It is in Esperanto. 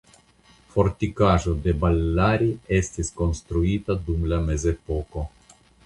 Fortikaĵo de Ballari estis konstruita dum la mezepoko.